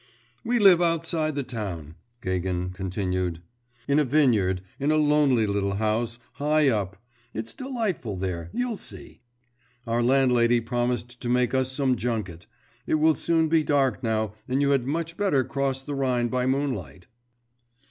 'We live outside the town,' Gagin continued, 'in a vineyard, in a lonely little house, high up. It's delightful there, you'll see. Our landlady promised to make us some junket. It will soon be dark now, and you had much better cross the Rhine by moonlight.